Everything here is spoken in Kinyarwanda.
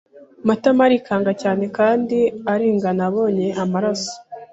Matama arikanga cyane kandi arengana abonye amaraso.